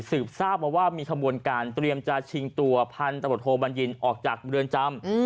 สืบทราบมาว่ามีขบวนการเตรียมจะชิงตัวพันตรวจโทบัญญินออกจากเรือนจำ